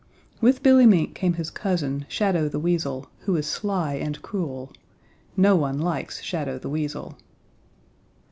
With Billy Mink came his cousin, Shadow the Weasel, who is sly and cruel. No one likes Shadow the Weasel.